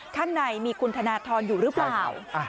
ข้างในมีคุณธนทรอยู่หรือเปล่า